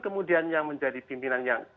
kemudian yang menjadi pimpinan yang